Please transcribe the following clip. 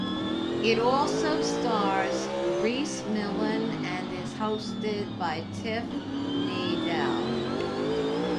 It also stars Rhys Millen and is hosted by Tiff Needell.